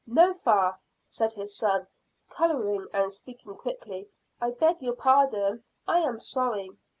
"No, fa," said his son, colouring and speaking quickly. "I beg your pardon! I am sorry."